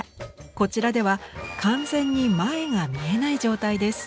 こちらでは完全に前が見えない状態です。